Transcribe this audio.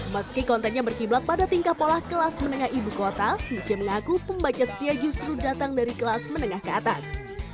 meski kontennya berkiblat pada tingkah pola kelas menengah ibu kota nice mengaku pembaca setia justru datang dari kelas menengah ke atas